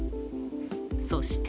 そして